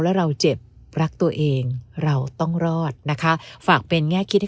แล้วเราเจ็บรักตัวเองเราต้องรอดนะคะฝากเป็นแง่คิดให้